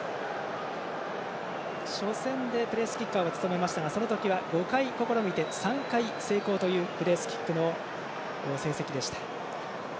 初戦でプレースキッカーを務めましたがその時は５回試みて３回成功というプレースキックの成績でした。